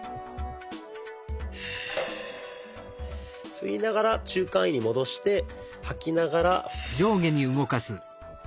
吸いながら中間位に戻して吐きながら。